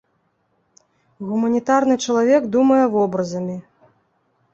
Гуманітарны чалавек думае вобразамі.